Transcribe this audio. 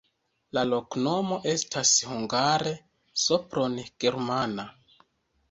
La loknomo estas hungare: Sopron-germana.